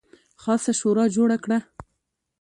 خاصه شورا جوړه کړه.